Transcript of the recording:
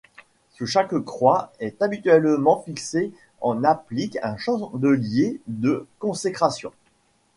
Sous chaque croix est habituellement fixé en applique un chandelier de consécration.